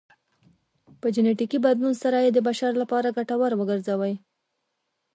په جنیټیکي بدلون سره یې د بشر لپاره ګټور وګرځوي